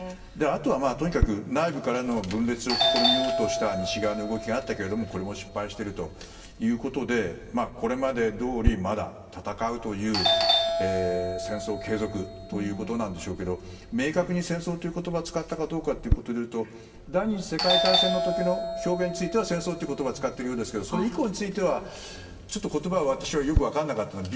あとは内部からの分裂を試みようとした西側の動きがあったけれどもこれも失敗しているということでこれまでどおり戦うという戦争継続ということなんでしょうけど明確に戦争という言葉を使ったかどうかということでいうと第２次世界大戦の時の表現については戦争という言葉を使っているようでしょうけどそれ以降については言葉は、私はあまりよく分からなかったです。